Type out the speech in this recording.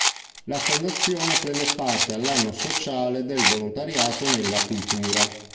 La fondazione prende parte all'Anno Sociale del Volontariato nella cultura.